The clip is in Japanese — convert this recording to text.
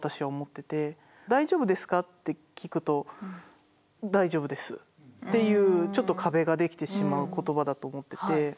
「大丈夫ですか？」って聞くと「大丈夫です」っていうちょっと壁ができてしまう言葉だと思ってて。